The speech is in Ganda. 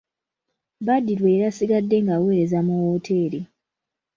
Badru eyali asigadde ng'awereza mu wooteri.